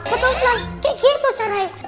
betul lan kayak gitu caranya